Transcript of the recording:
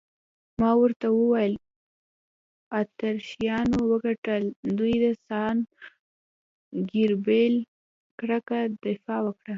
ما ورته وویل: اتریشیانو وګټل، دوی د سان ګبرېل کلکه دفاع وکړه.